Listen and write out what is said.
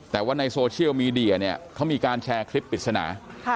แต่ว่าในโซเชียลมีเดียเนี่ยเขามีการแชร์คลิปปริศนา